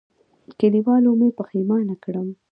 کلیوالو مې پښېمانه کړم.